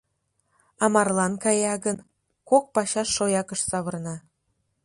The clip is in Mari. А марлан кая гын, кок пачаш шоякыш савырна.